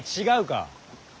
違うか。